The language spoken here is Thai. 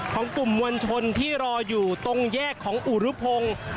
ของกลุ่มมวลชนที่รออยู่ตรงแยกของอุรุพงศ์